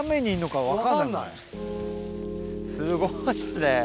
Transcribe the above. すごいっすね。